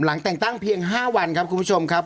หลังแต่งตั้งเพียง๕วันครับคุณผู้ชมครับ